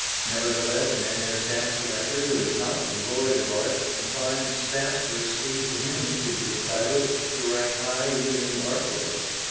Nevertheless, many a stamp collector who is not devoid of art can find stamps which seem to him to be entitled to rank high even in the art world.